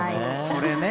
それね。